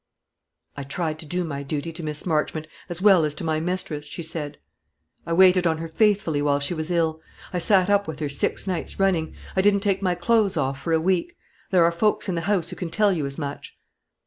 "I tried to do my duty to Miss Marchmont as well as to my mistress," she said. "I waited on her faithfully while she was ill. I sat up with her six nights running; I didn't take my clothes off for a week. There are folks in the house who can tell you as much."